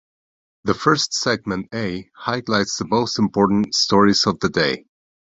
The first segment, "A", highlights the most important stories of the day.